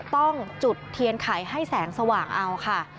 ต้องจุดเทียนไข่ให้แสงสว่างเอาค่ะ